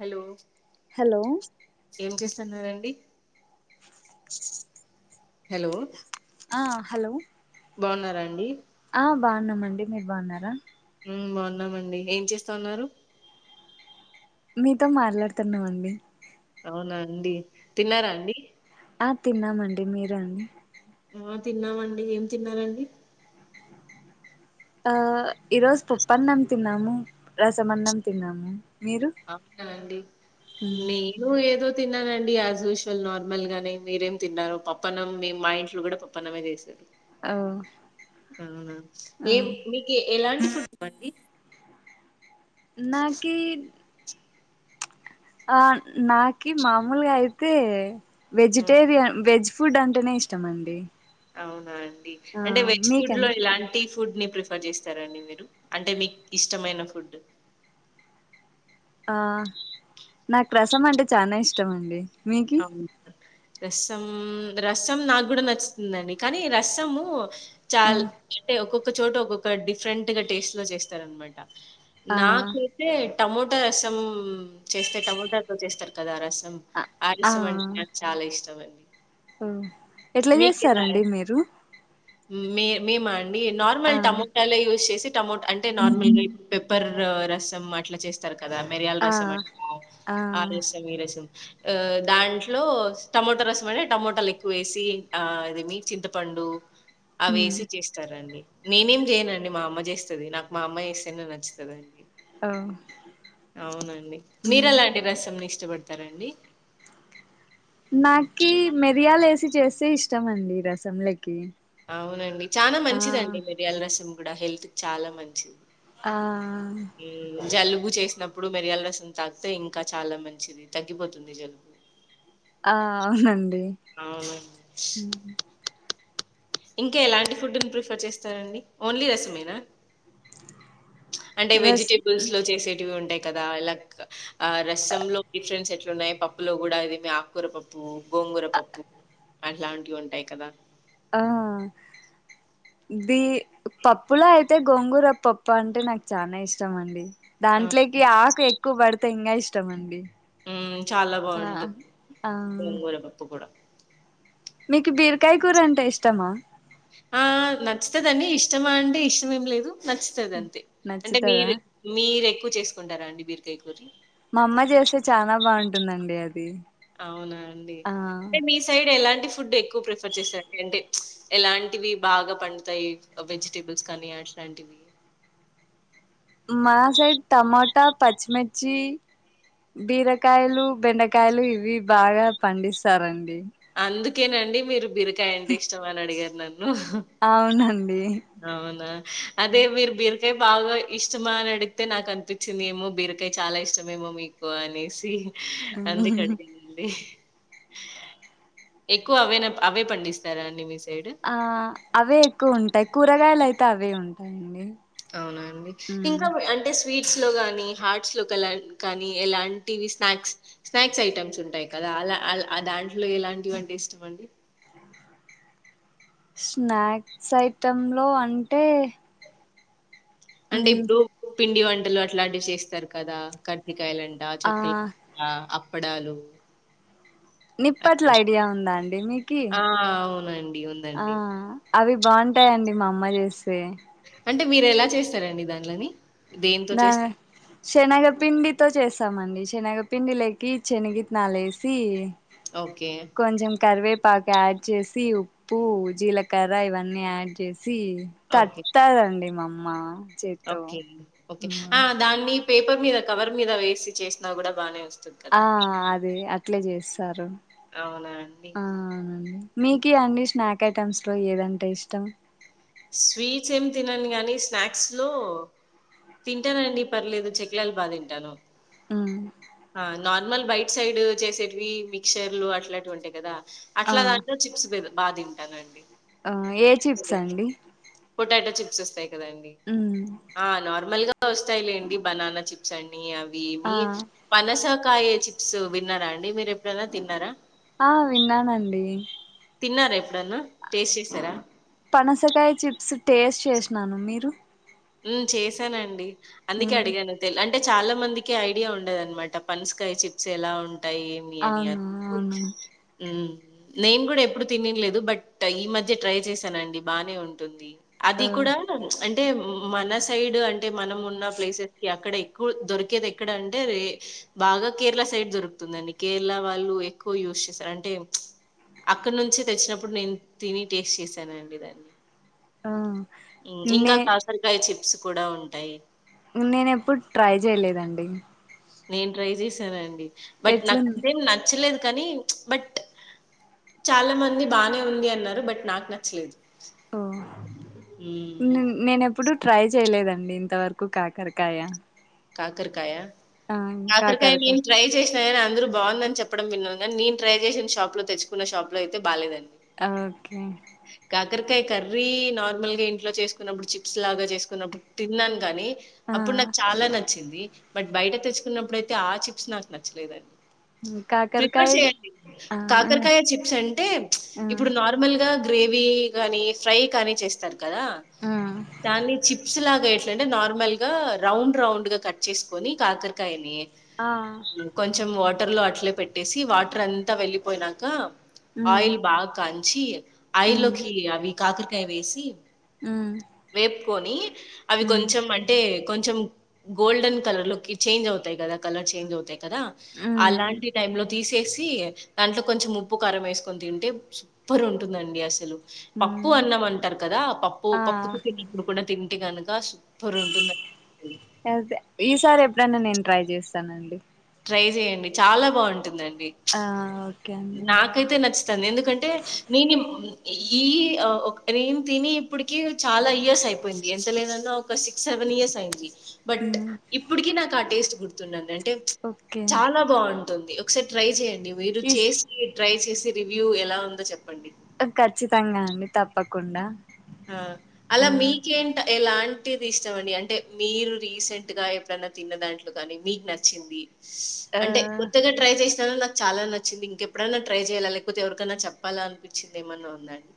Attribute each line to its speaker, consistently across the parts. Speaker 1: Hello
Speaker 2: hello
Speaker 1: ఏం చేస్తున్నారన్ డి హలో
Speaker 2: ఆ హలో
Speaker 1: బాగున్నారా అండి
Speaker 2: ఆ బాగున్నామండి మీరు బాగున్నారా
Speaker 1: ఉమ్ బాగున్నామండి ఏం చేస్తా ఉన్నారు
Speaker 2: మీతో మాట్లాడుతున్నామండి
Speaker 1: అవునా అండి తిన్నారా అండి
Speaker 2: ఆ తిన్నామండి మీరండి
Speaker 1: ఆ తిన్నామండి ఏం తిన్నారండి.
Speaker 2: ఆ ఈరోజు పప్పన్నం తిన్నాము. రసమన్నం తిన్నాము. మీరు
Speaker 1: అవునా అండి నేను ఏదో తిన్నానండి యాస్ యూజువల్ నార్మల్ గానే మీరేం తిన్నారు. పప్పనం మా ఇంట్లో కూడా పప్పనమే చేసారు.
Speaker 2: ఓ
Speaker 1: అవునా
Speaker 2: ఆ
Speaker 1: ఏం మీకు ఎలాంటి మండి
Speaker 2: నాకి ఆ నాకి మామూలుగా అయితే వెజిటేరియన్ వెజ్ ఫుడ్ అంటేనే ఇష్టమ అండి.
Speaker 1: అవునా అండి
Speaker 2: ఆ
Speaker 1: అంటే వెజ్ ఫుడ్
Speaker 2: మీకం
Speaker 1: లో ఇలాంటి ఫుడ్ ప్రిఫ్ పర్ చేస్తారండి మీరు అంటే మీకు ఇష్టమైన ఫుడ్
Speaker 2: ఆ నాకు రసం అంటే చానా ఇష్టం అండి. మీకి
Speaker 1: అవు రసం రసం నాకు కూడా నచ్చుతుందండి. కానీ రసము చాల తే ఒక్కు ఒక చోట ఒక్కొక్క డిఫరెంట్ గా టేస్ట్ లో చేస్తార అనమాట
Speaker 2: ఆ
Speaker 1: నాకయితే టమోటా రసం చేస్తే టమోటాతో చేస్తారు. కదా రసం అమ్
Speaker 2: ఆ
Speaker 1: రసమంటే
Speaker 2: ఆ
Speaker 1: అంటే చాలా ఇ ఇష్టమండి.
Speaker 2: ఓ ఎట్లా
Speaker 1: మీకెలా
Speaker 2: చేస్తారండి మీరు
Speaker 1: మే మే మండ్ మీ
Speaker 2: ఆ
Speaker 1: నార్మల్ టమోటాలే యూజ్ చేసి టమోట అంటే నార్మల్గా పెప్పర్ రసం అట్లా చేస్తారు. కదా మిరియాల
Speaker 2: ఆ
Speaker 1: రసం అంట ఆ రసం ఈ రసం ఆ దాంట్లో టమోటా రసం అంటే టమోటాలు ఎక్కువ వేసి ఆది మి చింతపండు అ
Speaker 2: ఉమ్
Speaker 1: వేసి చేస్తారండి. నేనేం చేయనండి మా అమ్మ చేస్తది. నాకు మా అమ్మ చేస్తేనే నచ్చుతుదండి.
Speaker 2: ఓ
Speaker 1: అవునండి నీర
Speaker 2: ఉమ్
Speaker 1: లాంటి రసం ఇష్ ఇష్టపడతారండి
Speaker 2: నాకి మిరియాలు వేసి చేస్తే ఇష్టం అండి రసం లైక్
Speaker 1: అవునండి చాలా మంచిదండి మిరియాల రసం కూడా హెల్త్ కి చాలా మంచిది
Speaker 2: ఆ
Speaker 1: జలుబు చేసినప్పుడు మిరియాల రసం తాగితే ఇంకా చాలా మంచిది తగ్గిపోతుంది జలుబు
Speaker 2: ఆ అవునండి
Speaker 1: అవును
Speaker 2: హ్మ్మ్
Speaker 1: ఇంకా ఎలాంటి ఫుడ్ ప్రిఫర్ చేస్తారండి ఓన్లీ రసమేనా అంటే
Speaker 2: రస్
Speaker 1: వెజిటేబుల్స్ లో చేసేటివి ఉంటాయి కదా ఇలా ఆ రసం లో డిఫరెన్స్ ఎట్లున్నాయో పప్పులో కూడా అది ఆకూర పప్పు గోంగూర పప్పు అట్లాంటివి ఉంటాయి కదా.
Speaker 2: ఆ ది పప్పులో అయితే గోంగూర పప్పు అంటే నాకు చానా ఇష్టం అండి.
Speaker 1: ఆ
Speaker 2: దాంట్లోకి ఆకు ఎక్కువ పడుత్ తెంగా ఇష్టం అండి
Speaker 1: మ్మ్ చాలా
Speaker 2: ఆ
Speaker 1: బాగుంటది
Speaker 2: ఆ
Speaker 1: గోంగూర పప్పు కూడా
Speaker 2: మీకు బీరకాయ కూర అంటే ఇష్టమా
Speaker 1: ఆ నచ్చుతది అండి ఇష్టమా అంటే ఇష్టం ఏం లేదు నచ్చుతది అంతే అంటే మీరు
Speaker 2: నచ్చుతదా
Speaker 1: మీరె ఎక్కువ చేసుకుంటారా అండి బీరికాయ కూరి
Speaker 2: మా అమ్మ చేస్తే చాలా బాగుంటుందండి అది
Speaker 1: అవునా అండి
Speaker 2: ఆ
Speaker 1: అంటే మీ సైడ్ ఎలాంటి ఫుడ్ ఎక్కువ ప్రిఫర్ చేస్తారు అంటే ఎలాంటివి బాగా పండుతాయి వెజిటేబుల్స్ కానీ యాడ్లాంటివి.
Speaker 2: మా సైట్ టమోటా పచ్చిమిర్చి బీరకాయలు బెండకాయలు ఇవి బాగా పండిస్తారండి.
Speaker 1: అందుకేనండి మీరు బీరకాయ అంటే ఇష్టమా అని అడిగారు నన్ను
Speaker 2: అవునండి
Speaker 1: అవునా అదే మీరు బీర్ బీరకాయ బాగా ఇష్టమా అని అడిగితే నాకు అనిపించింది ఏమో బీరకాయ చాలా ఇష్టమేమో మీకు అనేసి. అందుకడిగ అండి ఎక్కువ అవే అవే పండిస్తారా అండి మీ సైడ్
Speaker 2: ఆ అవే ఎక్కువ ఉంటాయి కూరగాయలు అయితే అవే ఉంటాయండి
Speaker 1: అవునండి
Speaker 2: మ్మ్
Speaker 1: ఇంకా అంటే స్వీట్స్ లో కానీ హార్ట్స్ లోకి కానీ ఎలాంటివి స్నాక్స్ స్నాక్స్ ఐటెమ్స్ ఉంటాయి కదా అలా దాంట్లో ఎలాంటివి అంటే ఇష్టం అండి.
Speaker 2: స్నాక్స్ ఐటెమ్ లో అంటే
Speaker 1: అంటే
Speaker 2: మ్మ్
Speaker 1: ఇప్పుడు పిండి వంన్ లు అట్లాంటివి చేస్తారు కదా క కాయలంట
Speaker 2: ఆ
Speaker 1: చక్కలు ఆ వడాలు
Speaker 2: నిప్పట్ల ఐడియా ఉందా అండి మీకి
Speaker 1: ఆ అవునండి
Speaker 2: ఆ
Speaker 1: ఉందండి
Speaker 2: అవి బాగుంటాయిండి మా అమ్మ చేసి పే
Speaker 1: అంటే మీరు ఎలా చేస్తారండి దాంలోని
Speaker 2: దా శనగపిండితో చేస్తా చేస్తామండి శనగ పిండిలకి శనిగ విత్తనాలు ఎసి
Speaker 1: ఓకే
Speaker 2: కొంచెం కరవే పాకు యాడ్ చేసి ఉప్పు జీలకర్ర ఇవన్నీ యాడ్ చేసి సి
Speaker 1: ఓకే
Speaker 2: తట్టదండి మా అమ్మ మా చేతితో
Speaker 1: ఓకే. ఓకే ఆ దాన్ని ఈ పేపర్ మీద కవర్ మీద వేసి చేసినా కూడా బాగానే వస్తుంది
Speaker 2: ఆ అదే అ అట్లే చేస్తారు
Speaker 1: అవునా అండి
Speaker 2: కి అన్నీ స్నాక్ ఐటమ్స్ లో ఏదంటే ఇష్టం
Speaker 1: స్వీట్స్ ఏం తినను గాని స్నాక్స్ లో తింటానండి పర్లేదు చెక్లాలు బాగా తింటాను
Speaker 2: ఉహు
Speaker 1: ఆ! నార్మల్ బైట్ సైడ్ చేసేటివి మిక్చర్లు అట్లాంటివి ఉంటాయి కదా
Speaker 2: ఆ
Speaker 1: అట్లా దాంట్లో చిప్స్ బేబీ బా తింటానండి
Speaker 2: ఆ ఏ చిప్స్
Speaker 1: అంటే
Speaker 2: అండి
Speaker 1: పొటాటో చిప్స్ ఉంటాయి కదండి
Speaker 2: ఉమ్,
Speaker 1: నార్మల్ గా వస్తాయిలేండి బనానా చిప్స్ అండి మీ అవి
Speaker 2: ఆ
Speaker 1: మీ పనస కాయ చిప్స్ విన్నారా అండి మీరు ఎప్పుడైనా తిన్నారా
Speaker 2: ఆ విన్నానండి
Speaker 1: తిన్నారా ఎప్పుడన్నా టేస్ట్ చేసారా
Speaker 2: పనసకాయ చిప్స్ టేస్ట్ చేసినాను మీరు
Speaker 1: చేశానండి అందుకే
Speaker 2: ఉమ్
Speaker 1: అడిగాను తెలి అంటే అంటే చాలా మందికి ఐడియా ఉండదనమాట పన్ స్కాయ్ చిప్స్ ఎలా ఉ ఉంట ఏమి అని
Speaker 2: అవును
Speaker 1: హు
Speaker 2: అవును
Speaker 1: నేను కూడా ఎప్పుడు తనిలేదు బట్ ఈ మధ్య ట్రై చేశానండి బానే ఉంటుంది
Speaker 2: ఆ
Speaker 1: అది కూడా అ టమ్ మన సైడ్ అంటే మనం ఉన్న ప్లేసెస్ కి అక్కడ ఎక్కువ దొరికేది ఎక్కడ అంటే రే బాగా కేరళ సైడ్ దొరుకుతుందండి కేరళ వాళ్ళు ఎక్కువ యూస్ చేస్తారు అంటే అక్కడ నుంచే తెచ్చినప్పుడు నేను తిని టేస్ట్ చేసాను అండి దాన్ని
Speaker 2: ఆ
Speaker 1: హ్మ్. ఇంకా
Speaker 2: నే
Speaker 1: కాకరకాయ చిప్స్ కూడా ఉంటాయి
Speaker 2: నేన ఎప్పుడు ట్రై చేయలేదండి
Speaker 1: నేను ట్రై చేశానండి బట్ నాకు
Speaker 2: ఎట్లుంది
Speaker 1: అంటే అంటే నచ్చలే కానీ బట్ చాలా మంది బానే ఉంది అన్నారు బట్ నాకు నచ్చలేదు
Speaker 2: ఓ
Speaker 1: మ్మ్
Speaker 2: నేను ఇప్పుడు ట్రై చేయలేదండి ఇంతవరకు కాకరకాయ
Speaker 1: కాకరకాయా కాకరకాయ నేను ట్రై చేసిన అందరు బాగుందని చెప్పడం విన్నాను నేను ట్రై చేసిన షాప్ తెచ్చుకున్న షాప్ లో అయితేబాగాలేదు
Speaker 2: హా ఓకే
Speaker 1: అక్కరికాయ కర్రీ నార్మల్గా ఇంట్లో చేసుకున్నప్పుడు చిప్స్ లాగా చేసుకున్నప్పుడు తిన్నాను కాగాని
Speaker 2: ఆ
Speaker 1: అప్పుడు నాకు చాలా నచే ఈ బట్ బయట తెచ్చుకున్నప్పుడుయితే ఆ చిప్స్ నాకు నచ్చలేదండి ప్రిఫర్
Speaker 2: కాకరకాయ
Speaker 1: చేయండి
Speaker 2: ఆ ఆ
Speaker 1: కాకరకాయ చిప్స్ అంటే
Speaker 2: ఆ
Speaker 1: ఇప్పుడు నార్మల్గా గ్రేవీ కాగానీ ఫ్రై కానీ చేస్తారు కద
Speaker 2: ఆ
Speaker 1: దాన్ని చిప్స్ లాగా ఆంటే నార్మల్ గా రౌండ్ రౌండ్ గా కట్ చేసుకొని కాకరకాయని
Speaker 2: ఆ,
Speaker 1: కొంచెం వా వాటర్ లో అట్లే పెట్టేసి వాటర్ అంతా వెళ్ళలిపోయినాక
Speaker 2: ఉమ్
Speaker 1: ఆయిల్ బాగా ఖాళీ చియి ఆయి
Speaker 2: ఉమ్
Speaker 1: లోకి అవి కాకరకాయ వేసి
Speaker 2: ఉమ్
Speaker 1: వేపుకొని అవి
Speaker 2: ఉమ్
Speaker 1: కొంచెం అంటే కొంచెం గోల్డన్ కలర్లో కి చేంజ్ అవుతాయి కదా కలర్ చేంజ్వుతాయి కా
Speaker 2: ఉమ్
Speaker 1: అలాంటి టై లో తీసేసి అది దాంట్లో కొంచెం ఉప్పు కారం వేసుకొని తింటే సూపర్ ఉంటుందండి అసలు పప్పు
Speaker 2: ఉమ్
Speaker 1: అన్నం అంటారు కదా పప్పు
Speaker 2: ఆ
Speaker 1: పప్పుతో తిన్నప్పుడుకుండా తిన్ టే కనక సూపర్ ఉంటుంది అండి
Speaker 2: ఈసారి ఎప్పుడైనా నేను ట్రై చేస్సానండి
Speaker 1: ట్రై చేయండి చాలా బాగుంటుందండ్ ఇ
Speaker 2: ఆ ఓకే అండి
Speaker 1: నాకైతే నచ్చుతన్ ది ఎందుకంటే నేన్ ఇప్ ఈ నేను తిని ఇప్పటికి చాలా ఇయర్స్ అయిపోయింది ఎంత లేదన్నా ఒక సిక్స్ సెవెన్ ఇయర్స్ అయ్ పోయింది బట్ ఇప్పుటికి నాకు ఆ టేస్ట్ గుర్తుఉన్దండి అంటే
Speaker 2: ఓకే
Speaker 1: చాలా బాగుంట్ ది ఒకసారి ట్రై చేయన్ డి మీరు
Speaker 2: ఈస్
Speaker 1: చేసి ట్రై చేస్ రివ్యూ ఎలా ఉందో చెప్పండి
Speaker 2: ఖచ్చితంగా అండి తప్పకుండా
Speaker 1: ఆ
Speaker 2: ఆ
Speaker 1: అలా మీకేంట ఎలాంటిది ఇష్టం అండి అంటే మీరు రీసెంట్ గా ఎప్పుడనా తిన్న దాంట్లో కానీ మీకు నచ్చింది
Speaker 2: ఆ
Speaker 1: అంటే కొత్తగా ట్రై చేసినను నాక్ చాలా నచ్చింది ఇంకెప్పుడైనా ట్రై చేయ్యాలా లేకపోతే ఎవరికైనా చెప్పాలా అనిపించిందేమన్నా ఉందా అన్ డి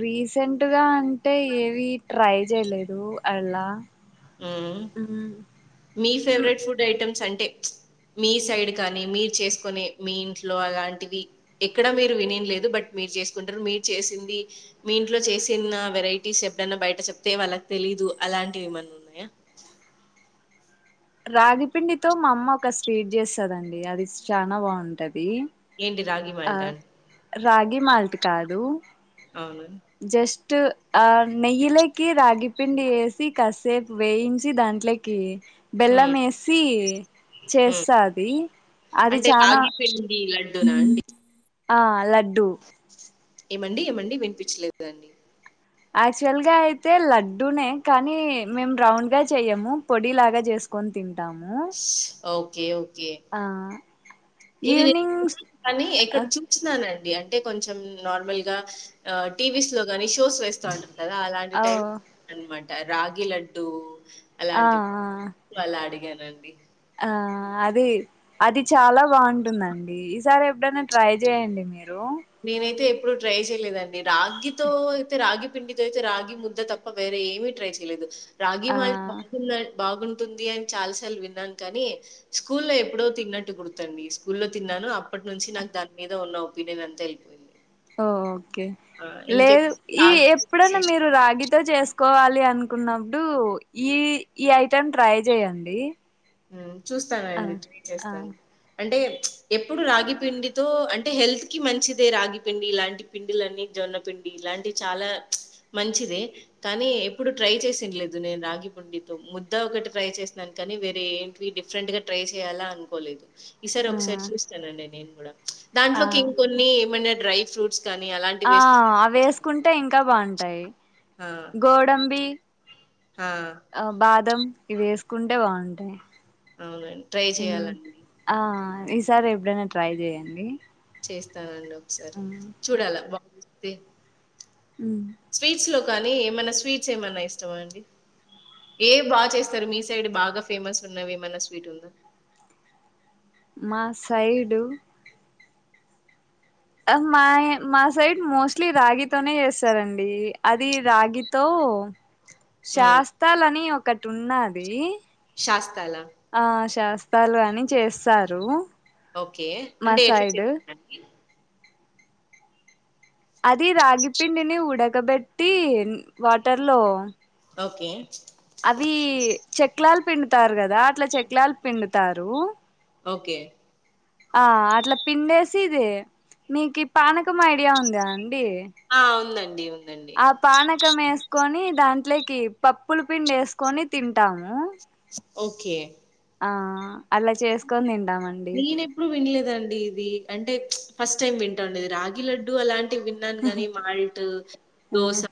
Speaker 2: రీసెంట్గా అంటే ఏవి ట్రై చేయలేదు అలా
Speaker 1: ఉమ్
Speaker 2: హ్మ్
Speaker 1: మీ
Speaker 2: హ్మ్
Speaker 1: ఫేవరెట్ ఫుడ్ ఐటమ్స్ అంట్ టె మీ సైడ్ కానీ మీరు చేసుకునే మీ ఇంట్లో అలాంటివి ఎక్కడ మీరు వినిన్లేదు బట్ మీరు చేసుకుంటారు మీరు చేసింది మీ ఇంట్లో చేసిన వెరైటీస్ ఎప్పుడన్నా బయట చెప్తే వాళ్ళకి తెలీదు అలాంటివి ఎమన్ ఉన్ యా
Speaker 2: రాగిపిండితో మా అమ్మ ఒక స్వీట్ చేస్దండి అది చాలా బాగుంటది డి
Speaker 1: ఏంటి రాగి
Speaker 2: ఆ
Speaker 1: మాల్టా అండి?
Speaker 2: రాగ్ గి మాల్ట్ కాదు
Speaker 1: అవునా?
Speaker 2: జస్ట్ ఆ నెయ్యిలేక్ కి రాగి పిండి వేసి కాస్సేపు వేయించి దాంట్లే కి
Speaker 1: హ్మ్
Speaker 2: బెల్లంమేసి
Speaker 1: హ్మ్.
Speaker 2: చేస్సది అది
Speaker 1: అంటే
Speaker 2: చానా
Speaker 1: రాగిపిండి లడ్డూనా అండి?
Speaker 2: ఆ లడ్ డూ
Speaker 1: ఏమండి ఏమండి వినిపించలేదన్ డి
Speaker 2: ఆక్చువల్ గా అయితే లడ్డూనే కానీ మేము రౌండ్ గా చేయము పొడి లాగా చేసుకొని తిన్ టాము
Speaker 1: ఓకే ఓక్
Speaker 2: ఆ
Speaker 1: ఇది నేను [inaudible] ను
Speaker 2: ఈవినింగ్స్
Speaker 1: కానీ
Speaker 2: ఆ
Speaker 1: ఎక్కడో చూసినానండి అం టే కొంచెం నార్మల్ గా టీవీస్ లో గాని షోస్ వేస్తా ఉంటా కదా అలాంటి
Speaker 2: ఆ
Speaker 1: టైం అన్నమా రాగిలడ్డూ
Speaker 2: ఆ
Speaker 1: అలాంటివి అలా అడిగాన్ అండి
Speaker 2: ఆ అది అది చాలా బాగుంటుందండి ఈసారి ఎప్పుడైనా ట్రై చేయండి మీరు
Speaker 1: నేనైతే ఎప్పుడు ట్రై చేయలేదండి రాగితో అయితే రాగి పిండితో అయితే రాగి ముద్ద తప్ప వేరే ఏమీ ట్రై చేయలేదు రాగి
Speaker 2: ఆ
Speaker 1: మాల్ట్ [unintelligible] బాగుంటుంది అని చాలా సార్లు విన్నాను కాని స్కూల్లో ఎప్పుడో తిన్నట్టు గుర్తుండి స్కూల్లో తిన్నాను అప్పటి నుంచి నాకు దాని మీద ఉన్న ఒపీనియన్ అం తేలిపోయింది
Speaker 2: ఓ ఓకే లేదు ఈ ఎప్పుడైన్నా
Speaker 1: రాగి
Speaker 2: మీరు రాగితో చేస్ కోవాలి అనుకున్నప్పుడు ఈ ఈ ఐటెం ట్రై చేయండి
Speaker 1: మ్
Speaker 2: ఆ
Speaker 1: చూస్తానండి ట్రై
Speaker 2: ఆ
Speaker 1: చేస్తాను అంటే ఎప్పుడు రాగి పిండితో అంటే హెల్త్ కి మంచిదే రాగి పిండి ఇలాంటి పిండిలన్నీ జొన్నపిండి ఇలాంటి చాలా మంచిదే కానీ ఎప్పుడు ట్రై చేసింది లేదు నేను రాగి పిండితో ముద్దా ఒకటి ట్రై చేసినాను కానీ వే రే ఏంటివి డిఫరెంట్ గా ట్రై చేయ్యాలా అనుకోలేదు ఈసారి
Speaker 2: ఆ
Speaker 1: ఒకసారి చూస్తానండి నేను కూడ
Speaker 2: ఆ
Speaker 1: దాంట్లోకి ఇంకొన్ని ఏమైన డ్రై ఫ్రూట్స్ కానీ అలాంటివి
Speaker 2: ఆ
Speaker 1: వేసుకుని
Speaker 2: అవి ఏసుకుంటే ఇంకా బాగుంటాయి
Speaker 1: ఆ
Speaker 2: గోడంబి
Speaker 1: ఆ
Speaker 2: ఆ బాదం ఇవి ఏసుకుంటే బాగుంటాయి
Speaker 1: అవునండి ట్రై
Speaker 2: ఉమ్.
Speaker 1: చేయాలండి
Speaker 2: ఆ ఈసారి ఎప్పుడైనా ట్రై చేయండి
Speaker 1: చేస్తానండో సరే
Speaker 2: ఉమ్.
Speaker 1: చూడాలా ఒ స్తే
Speaker 2: ఉమ్.
Speaker 1: స్వీట్స్ లో కానీ ఏమన్నా స్వీట్స్ ఏమన్నా ఇష్టమా అండి ఏ బాగా చేస్తారు మీ సైడ్ బాగా ఫేమస్ ఉన్నవి ఏమన్నా స్వీట్ ఉందా
Speaker 2: మా సైడు మా మా సైడ్ మోస్ట్లీ రాగితోనే చేస్తారండి అది రాగితో
Speaker 1: మ్మ్
Speaker 2: శాస్తలని ఒకటి ఉన్నా దీ
Speaker 1: శాస్త్రాలా
Speaker 2: అప్పాలు అని చేస్తారు
Speaker 1: ఓకే
Speaker 2: మా
Speaker 1: అంటే ఏట్లా
Speaker 2: సైడ్
Speaker 1: చేస్తారండి
Speaker 2: అది రాగి పిండిని ఉడక బెట్టి వాటర్లో
Speaker 1: ఓకే
Speaker 2: అవి చెక్లాలు పిండుతారు కదా అట్లా చెక్లాలు పిండుతారు
Speaker 1: ఓకే
Speaker 2: ఆ అట్లా పిండేసి ఇది మీకి పానకం ఐడియా ఉందా అండి
Speaker 1: ఆ ఉందండి ఉందండి
Speaker 2: పాకం వేసుకొని దాంట్లోకి పప్పుల పిండి వేసుకొని తింటాము
Speaker 1: ఓకే
Speaker 2: ఆ అలా చేసుకోని తిన్
Speaker 1: నేనేప్పుడు వినలేదండి ఇది అంటే ఫస్ట్ టైం వింటాండది రాగి లడ్డు అలాంటి వాటి విన్నాను గాని మాల్ట్ దోస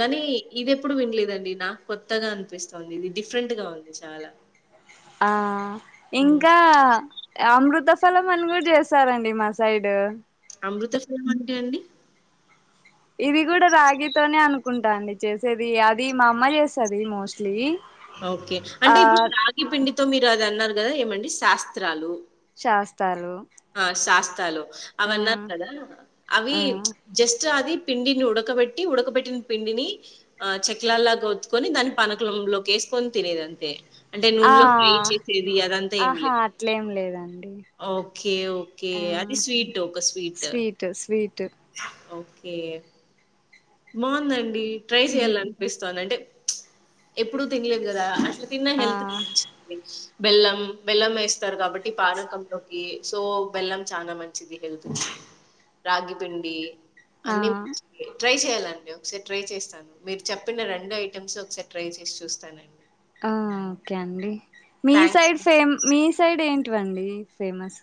Speaker 1: కానీ ఇది ఎప్పుడు వినలేదండి నాకు కొత్తగా అనిపిస్తుంది ఇది డిఫరెంట్ గా ఉంది చాలా
Speaker 2: ఆ
Speaker 1: మ్మ్
Speaker 2: ఇంకా అమృత ల మని కూడా చేస్తారండి మా సైడ్
Speaker 1: అమృత ఫలం అంటే అండి
Speaker 2: ఇది కూడా రాగితోనే అనుకుంటా అండి చేసేది అది మా అమ్మ చేస్తది మోస్ట్లీ.
Speaker 1: ఓకే
Speaker 2: ఆ
Speaker 1: అంటే ఇప్పుడు రాగి పిండితో మీరు అది అన్నారు కదా ఏమండి శాస్త్రాలు
Speaker 2: చేస్తారు
Speaker 1: ఆ శాస్ స్తలో అవన్నస్తదా అవి
Speaker 2: ఆ
Speaker 1: జస్ట్ అది పిండిని ఉడకబెట్టి ఉడకబెట్టిన పిండిని ఆ చెక్లాలాగ ఒత్తుకుని దాన్ని పానకలంలోకి వేసుకొని తినేదంతే. అంటే
Speaker 2: ఆ
Speaker 1: నూనెలో ఫ్రై చేసేది అదంతా ఏం
Speaker 2: ఆహా
Speaker 1: లేదు.
Speaker 2: అట్లేం లేదండి
Speaker 1: ఓకే ఓకే
Speaker 2: ఆ
Speaker 1: అది స్వీట్ ఒక స్వీట్
Speaker 2: స్వీ
Speaker 1: ఓకే ఏ బాగుందండి ట్రై చేయాల అనిపిస్ ఎప్పుడు తినలేదు కదా నువ్ తిన్న
Speaker 2: ఆ
Speaker 1: హెల్తుకు మంచిది బెల్లం బెల్లం వేస్తారు కాబట్టి పానకంలోకి సో బెల్లం చానా మంచిది హెల్త్ కి రాగి పిండి
Speaker 2: ఆ
Speaker 1: అన్ని మంచికే ట్రై చేయ్యాలండి ఒకసారి ట్రై చేస్తాను మీరు చెప్పిన రెండు ఐటమ్స్ ఒకసారి ట్రై చేసి చూస్తానండి
Speaker 2: ఆ ఓకే అండి మీ
Speaker 1: థ్యాంక్స్
Speaker 2: సైడ్ సేమ్ మీ సైడ్ ఏం ఇటువండి ఫేమస్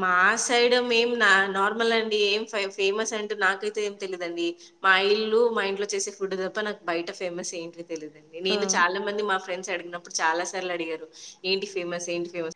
Speaker 1: మా ఆ సైడు మేము నా నార్మల్ అండి ఏం ఫ ఫేమస్ అంటే నాకైతే ఏం తెలిదండి మా ఇల్లు మా ఇంట్లో చేసే ఫుడ్ తప్ప నాకు బయట ఫేమస్ ఏంటి తెలిదండి నేను
Speaker 2: ఓ
Speaker 1: చాలా మంది మా ఫ్రెండ్స్ అడిగినప్పుడు చాలా సార్లు అడిగారు ఏంటి ఫేమస్ ఏంటి ఫేమస్